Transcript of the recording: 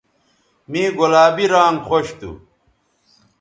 مے گلابی رانگ خوش تھو